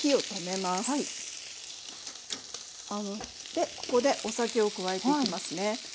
でここでお酒を加えていきますね。